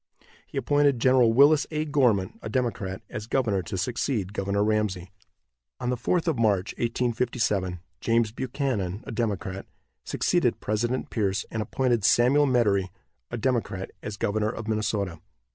He appointed Gen. Willis A. Gorman, a Democrat, as governor to succeed Governor Ramsey. On the 4th of March, 1857, James Buchanan, a Democrat, succeeded President Pierce, and appointed Samuel Medary, a Democrat, as governor of Minnesota.